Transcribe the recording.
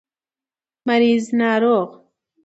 مريض √ ناروغ